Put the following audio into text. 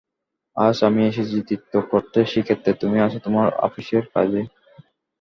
আজ আমি এসেছি তীর্থ করতে শ্রীক্ষেত্রে, তুমি আছ তোমার আপিসের কাজে।